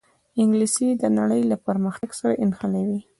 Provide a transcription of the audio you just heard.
انګلیسي د نړۍ له پرمختګ سره نښلوي